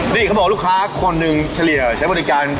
นี่เขาบอกลูกค้าคนหนึ่งเฉลี่ยใช้บริการ